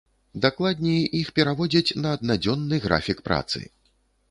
Дакладней, іх пераводзяць на аднадзённы графік працы.